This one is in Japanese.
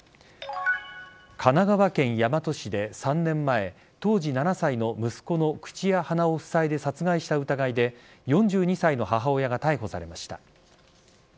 神奈川県大和市で３年前当時７歳の息子の口や鼻をふさいで殺害した疑いで４２歳の母親が逮捕されました。